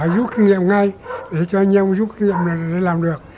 giúp kinh nghiệm ngay để cho anh em giúp kinh nghiệm là để làm được